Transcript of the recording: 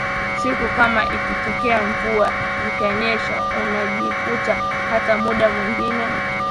siku kama ikitokea mvua zikanyesha unajikuta hata muda mwingine